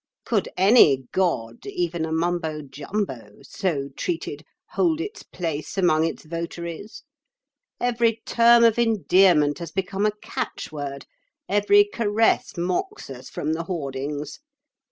Could any god, even a Mumbo Jumbo, so treated, hold its place among its votaries? Every term of endearment has become a catchword, every caress mocks us from the hoardings.